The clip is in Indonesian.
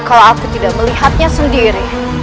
kalau aku tidak melihatnya sendiri